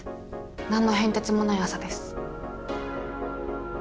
何の変哲もない朝です。